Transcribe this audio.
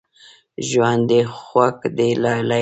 ژوند دې خوږ دی لالیه